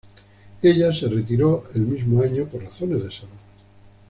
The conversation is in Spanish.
Ella se retiró el mismo año por razones de salud.